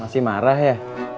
masih marah ya